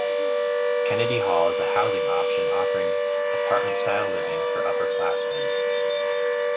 Kennedy Hall is a housing option offering apartment-style living for upper classmen.